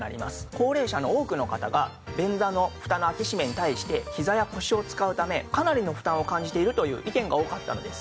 高齢者の多くの方が便座のフタの開け閉めに対して膝や腰を使うためかなりの負担を感じているという意見が多かったのです。